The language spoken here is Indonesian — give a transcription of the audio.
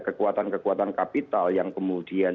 kekuatan kekuatan kapital yang kemudian